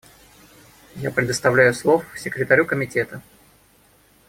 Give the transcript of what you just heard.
Я предоставляю слов Секретарю Комитета.